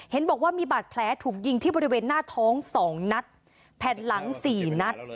เห็นบอกว่ามีบาดแผลถูกยิงที่บริเวณหน้าท้อง๒นัดแผ่นหลัง๔นัด